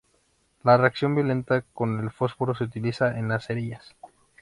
La reacción violenta con el fósforo se utiliza en las cerillas.